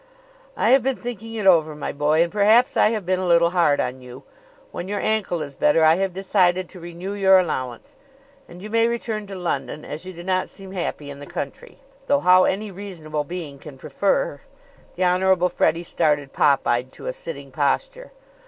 "I have been thinking it over, my boy, and perhaps I have been a little hard on you. When your ankle is better I have decided to renew your allowance; and you may return to London, as you do not seem happy in the country. Though how any reasonable being can prefer " The Honorable Freddie started, pop eyed, to a sitting posture.